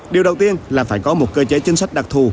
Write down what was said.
điều đầu tiên là phải có một cơ chế chính sách đặc thù